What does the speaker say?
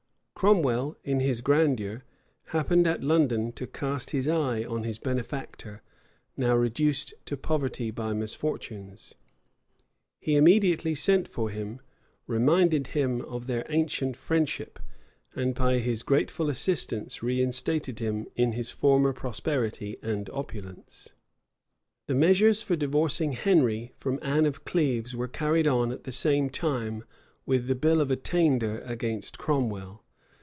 Cromwell, in his grandeur, happened at London to cast his eye on his benefactor, now reduced to poverty by misfortunes. He immediately sent for him, reminded him of their ancient friendship, and by his grateful assistance reinstated him in his former prosperity and opulence.[*] The measures for divorcing Henry from Anne of Cleves were carried on at the same time with the bill of attainder against Cromwell.